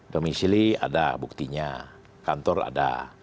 domisili ada buktinya kantor ada